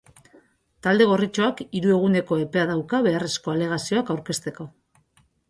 Talde gorritxoak hiru eguneko epea dauka beharrezko alegazioak aurkezteko.